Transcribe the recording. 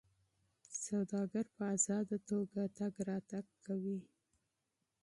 سوداګر په ازاده توګه تګ راتګ کوي.